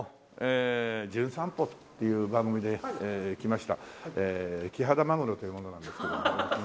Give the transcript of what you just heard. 『じゅん散歩』っていう番組で来ましたキハダマグロという者なんですけど。